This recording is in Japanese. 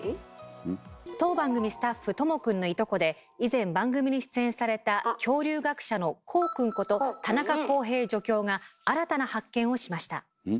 当番組スタッフとも君のいとこで以前番組に出演された恐竜学者のこう君こと田中康平助教が新たな発見をしました。